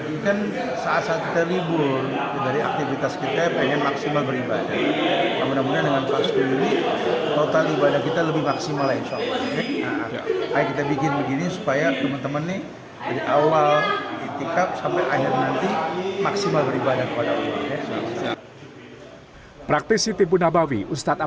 ini kan saat saat kita libur dari aktivitas kita pengen maksimal beribadah